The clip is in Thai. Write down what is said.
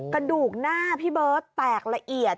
กระดูกหน้าพี่เบิร์ตแตกละเอียด